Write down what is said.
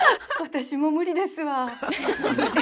私も無理ですわ。